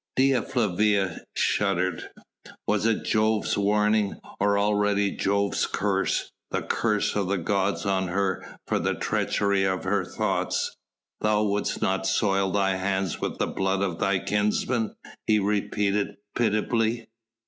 Dea Flavia shuddered. Was it Jove's warning, or already Jove's curse, the curse of the gods on her for the treachery of her thoughts? "Thou wouldst not soil thy hands with the blood of thy kinsman...." he repeated pitiably.